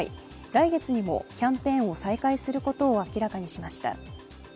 来月にもキャンペーンを再開することを明らかにしました。